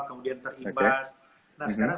kemudian terimbas nah sekarang